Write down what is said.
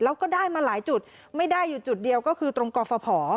แล้วก็ได้มาหลายจุดไม่ได้อยู่จุดเดียวก็คือตรงกรฟภ